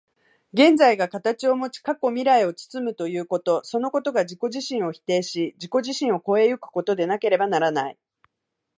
現在が形をもち、過去未来を包むということ、そのことが自己自身を否定し、自己自身を越え行くことでなければならない。